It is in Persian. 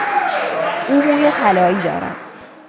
او موی طلایی دارد.